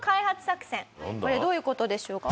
これどういう事でしょうか？